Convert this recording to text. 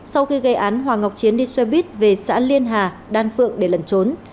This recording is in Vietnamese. sau khi gây án hoàng ngọc chiến đi xe buýt về xã liên hà đan phượng để lẩn trốn